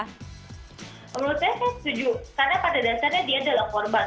menurut saya saya setuju karena pada dasarnya dia adalah korban